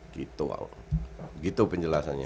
gitu al gitu penjelasannya